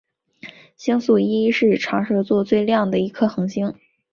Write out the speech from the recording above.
星宿一是长蛇座最亮的一颗恒星。